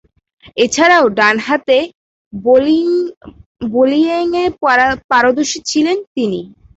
এছাড়াও ডানহাতে বোলিংয়ে পারদর্শী ছিলেন তিনি।